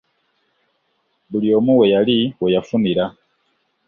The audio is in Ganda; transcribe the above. Buli omu we yali we yafunira.